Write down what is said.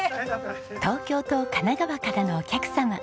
東京と神奈川からのお客様。